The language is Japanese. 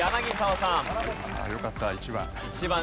あよかった１番。